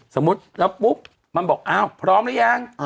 สมมุติแล้วปุ๊บมันบอกอ้าวพร้อมหรือยัง